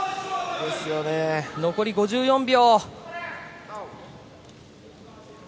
残り５４秒。